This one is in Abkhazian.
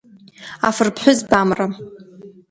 Афырԥҳәызба Амра!